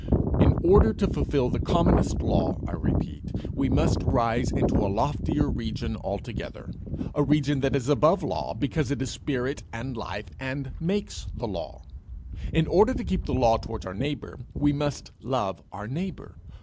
In order to fulfil the commonest law, I repeat, we must rise into a loftier region altogether, a region that is above law, because it is spirit and life and makes the law: in order to keep the law towards our neighbour, we must love our neighbour.